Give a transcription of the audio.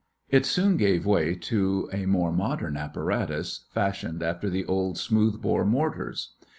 It soon gave way to a more modern apparatus, fashioned after the old smooth bore mortars.